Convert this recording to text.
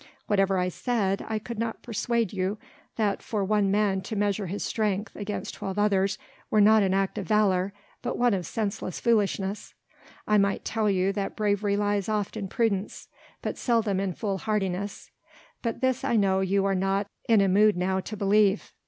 Whatever I said, I could not persuade you that for one man to measure his strength against twelve others were not an act of valour, but one of senseless foolishness. I might tell you that bravery lies oft in prudence but seldom in foolhardiness, but this I know you are not in a mood now to believe.